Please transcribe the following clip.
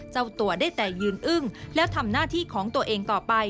เจ้าตัวได้แต่ยืนอึ้งแล้วทำหน้าที่ของตัวเองต่อไป